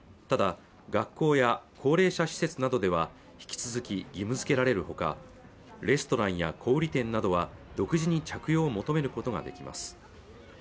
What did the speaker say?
ただ学校や高齢者施設などでは引き続き義務づけられるほかレストランや小売店などは独自に着用を求めることができます